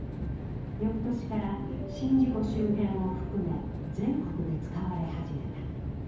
翌年から宍道湖周辺を含め全国で使われ始めた。